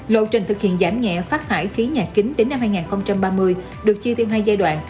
lộ trình thực hiện giảm nhẹ phát thải khí nhà kính đến năm hai nghìn ba mươi được chia thêm hai giai đoạn